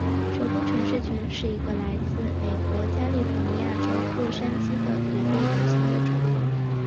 首都城市群是一个来自美国加利福尼亚州洛杉矶的独立流行乐组合。